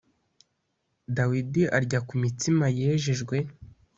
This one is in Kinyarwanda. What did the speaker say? Dawidi arya ku mitsima yejejwe